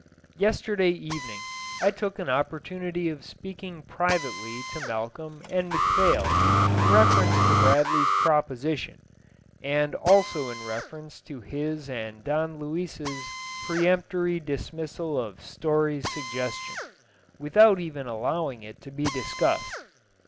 Yesterday evening I took an opportunity of speaking privately to Malcolm and McPhail in reference to Bradley's proposition, and also in reference to his and Don Luis's peremptory dismissal of Story's suggestion, without even allowing it to be discussed.